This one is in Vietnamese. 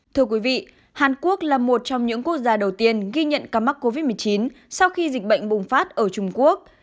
thưa quý vị hàn quốc là một trong những quốc gia đầu tiên ghi nhận ca mắc covid một mươi chín sau khi dịch bệnh bùng phát ở trung quốc